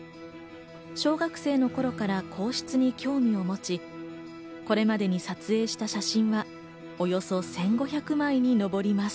小学生の頃から皇室に興味を持ち、これまでに撮影した写真はおよそ１５００枚に上ります。